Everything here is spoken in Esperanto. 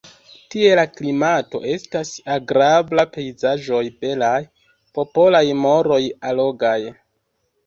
Tie la klimato estas agrabla, pejzaĝoj belaj, popolaj moroj allogaj.